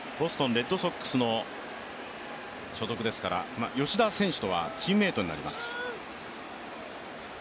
・レッドソックスの所属ですから吉田選手とはチームメートになります。